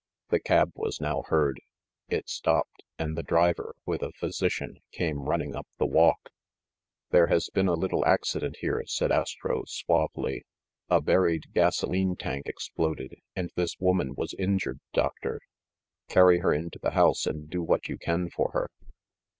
The cab was now heard. It stopped, and the driver, with a physician, came running up the walk. 164 THE MASTER OF MYSTERIES "There has been a little accident here/' said Astro suavely. "A buried gasoline tank exploded, and this woman was injured, doctor. Carry her into the house and do what you can for her."